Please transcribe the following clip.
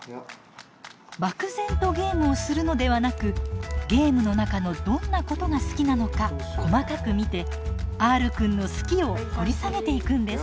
漠然とゲームをするのではなくゲームの中のどんなことが好きなのか細かく見てＲくんの「好き」を掘り下げていくんです。